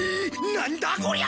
なんだこりゃ！？